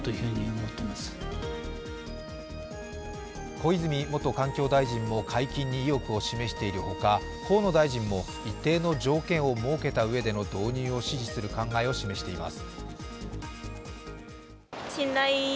小泉元環境大臣も解禁に意欲を示しているほか、河野大臣も一定の条件を設けた上での導入を支持する考えを示しています。